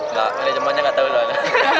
nggak manajemennya nggak tahu doanya